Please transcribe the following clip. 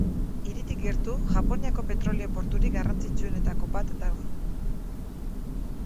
Hiritik gertu, Japoniako petrolio-porturik garrantzitsuenetako bat dago.